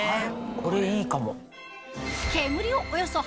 これいいかも！